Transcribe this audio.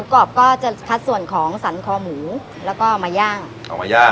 กรอบก็จะคัดส่วนของสรรคอหมูแล้วก็มาย่างออกมาย่าง